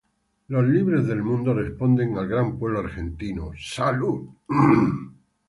los libres del mundo responden al gran Pueblo Argentino, Salud